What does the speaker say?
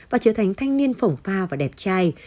và trở thành thanh niên phổng pha và đẹp trai